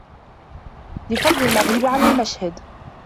لِفَضْلِ الْمَغِيبِ عَلَى الْمَشْهَدِ